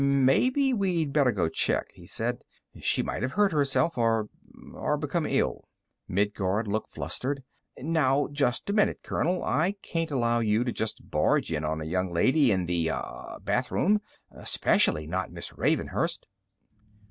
"Maybe we'd better go check," he said. "She might have hurt herself or ... or become ill." Midguard looked flustered. "Now, just a minute, colonel! I can't allow you to just barge in on a young girl in the ... ah ... bathroom. Especially not Miss Ravenhurst."